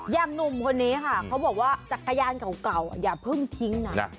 หนุ่มคนนี้ค่ะเขาบอกว่าจักรยานเก่าอย่าเพิ่งทิ้งนะ